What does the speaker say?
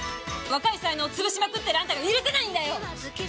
若い才能を潰しまくっているあんたが許せないんだよ！